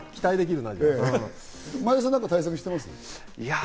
前田さんは対策してます？